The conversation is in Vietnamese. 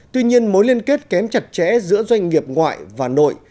tuy nhiên mối liên kết kém chặt chẽ giữa doanh nghiệp ngoại và nội